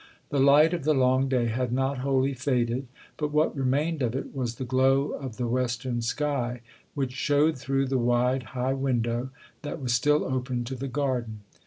The light of the long day had not wholly faded, but what remained of it was the glow of the western sky, which showed through the wide, high window that was still open to the garden.